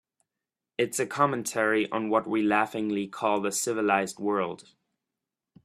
It's a commentary on what we laughingly call the civilized world.